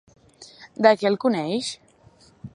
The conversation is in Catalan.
De què el coneix?